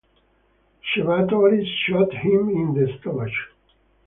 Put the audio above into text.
Chebatoris shot him in the stomach.